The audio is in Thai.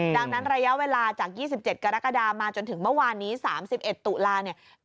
ดังนั้นระยะเวลาจาก๒๗กรกฎามาจนถึงเมื่อวานนี้๓๑ตุลาเนี่ย